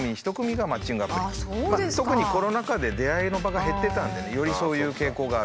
特にコロナ禍で出会いの場が減ってたんでねよりそういう傾向があると。